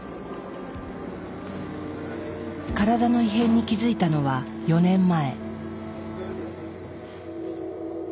体の異変に気付いたのは４年前。